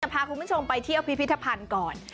พาคุณผู้ชมไปเที่ยวพิพิธภัณฑ์ก่อน